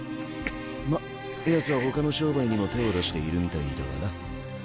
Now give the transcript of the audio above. まっヤツはほかの商売にも手を出しているみたいだがな。